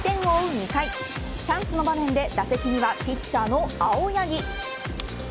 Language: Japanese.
２回チャンスの場面で打席にはピッチャーの青柳。